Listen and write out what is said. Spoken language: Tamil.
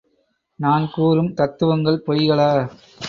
நான்கூறும் தத்துவங்கள் பொய்களா?